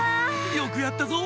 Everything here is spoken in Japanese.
よくやったぞ。